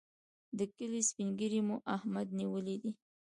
د کلي سپين ږيری مو احمد نیولی دی.